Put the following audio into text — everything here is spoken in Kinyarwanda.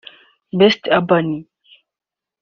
Best Urban